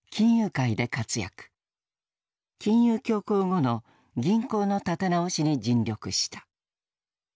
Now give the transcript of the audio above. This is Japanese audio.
金融恐慌後の銀行の建て直しに尽力した。